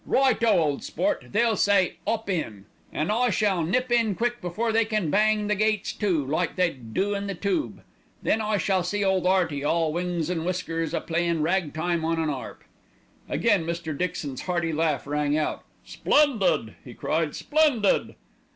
"'Right o, ole sport!' they'll say, ''op in.' "An' I shall nip in quick before they can bang the gates to, like they do on the tube. Then I shall see ole 'Earty, all wings an' whiskers, a playin' rag time on an 'arp." Again Mr. Dixon's hearty laugh rang out. "Splendid!" he cried. "Splendid!"